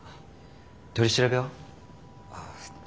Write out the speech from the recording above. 取り調べは？